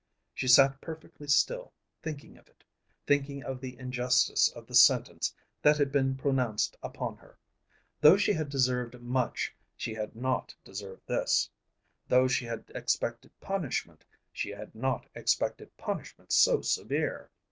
She sat perfectly still, thinking of it, thinking of the injustice of the sentence that had been pronounced upon her. Though she had deserved much, she had not deserved this. Though she had expected punishment, she had not expected punishment so severe.